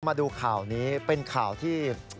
มาดูข่าวนี้เป็นข่าวที่